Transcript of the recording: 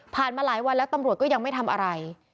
มาหลายวันแล้วตำรวจก็ยังไม่ทำอะไร